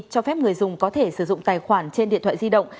cho phép người dùng có thể sử dụng tài khoản trên điện thoại di động